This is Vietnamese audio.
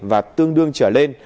và tương đương trở lên